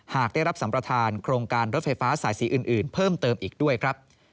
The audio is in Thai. หากได้รับสัมประธานโครงการรถไฟฟ้าสายสีอื่นเพิ่มเติมอีกด้วยครับ